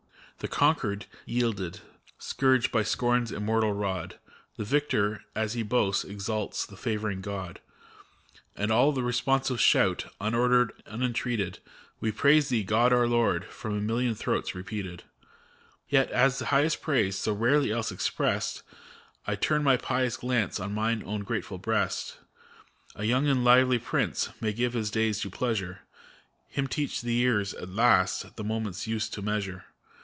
The Conquered yielded, scourged by Scorn's immortal rod; The Victor, as he boasts, exalts the favoring God ; And all responsive shout, unordered, unentreated : "We praise Thee, God our Lord !" from million throats repeated. Yet as the highest praise, so rarely else expressed, I turn my pious glance on mine own grateful breast. A young and lively Prince may give his days to pleasure ; Him teach the years^ at last, the moment's use to measure.